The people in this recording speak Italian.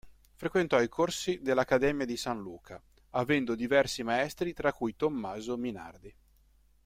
Frequentò i corsi dell'Accademia di San Luca, avendo diversi maestri tra cui Tommaso Minardi.